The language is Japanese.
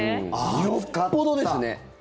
よっぽどですね。